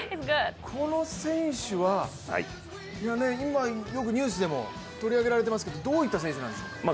この選手は、よくニュースでも取り上げられていますけどどういった選手なんでしょうか？